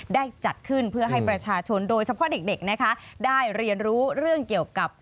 ได้จัดขึ้นเพื่อให้ประชาชนโดยเฉพาะเด็กนะคะได้เรียนรู้เรื่องเกี่ยวกับ